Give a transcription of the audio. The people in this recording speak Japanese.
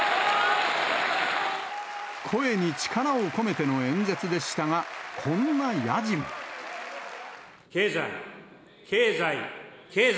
声に力を込めての演説でしたが、経済、経済、経済。